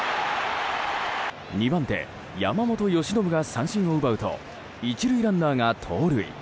２番手、山本由伸が三振を奪うと１塁ランナーが盗塁。